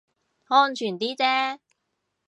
安全啲啫